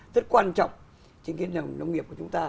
rất quan trọng trên cái nồng nghiệp của chúng ta